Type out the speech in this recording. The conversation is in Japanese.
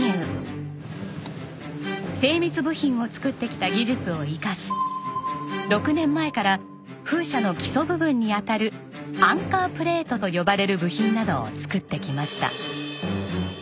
精密部品を作ってきた技術を生かし６年前から風車の基礎部分にあたるアンカープレートと呼ばれる部品などを作ってきました。